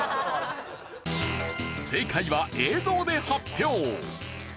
正解は映像で発表。